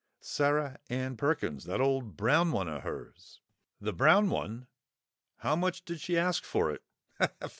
"Sarah Ann Perkins—that old brown one of hers." "The brown one! How much did she ask for it?"